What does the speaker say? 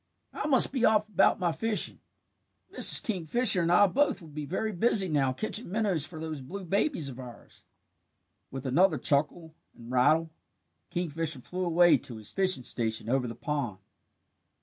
"I must be off about my fishing. Mrs. Kingfisher and I will both be very busy now catching minnows for those blue babies of ours." With another chuckle and rattle the kingfisher flew away to his fishing station over the pond.